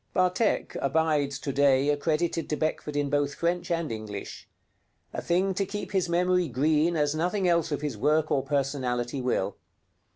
'Vathek' abides to day accredited to Beckford in both French and English; a thing to keep his memory green as nothing else of his work or personality will.